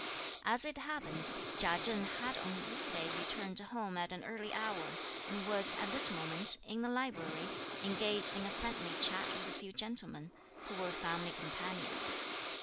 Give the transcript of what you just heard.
As it happened, Chia Cheng had on this day returned home at an early hour, and was, at this moment, in the library, engaged in a friendly chat with a few gentlemen, who were family companions.